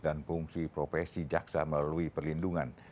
dan fungsi profesi jaksa melalui perlindungan